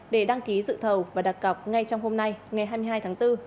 để đăng ký dự thầu và đặc cọc ngay trong hôm nay ngày hai mươi hai tháng bốn